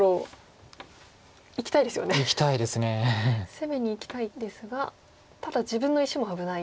攻めにいきたいですがただ自分の石も危ない。